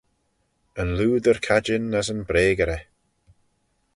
Yn looder cadjin as yn breagerey.